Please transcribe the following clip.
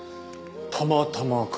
たまたまか。